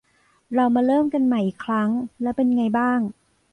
เรามาเริ่มกันใหม่อีกครั้งแล้วเป็นไงบ้าง ?